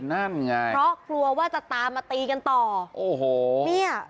นั่นไงเพราะกลัวว่าจะตามมาตีกันต่อโอ้โหเนี่ย